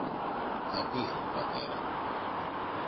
Θα πει, πατέρα